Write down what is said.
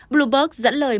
bloomberg dẫn lời